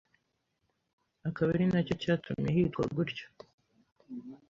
akaba ari nacyo cyatumye hitwa gutyo